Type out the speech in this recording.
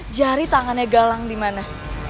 jari tangannya galang dimana